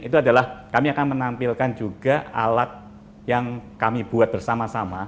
itu adalah kami akan menampilkan juga alat yang kami buat bersama sama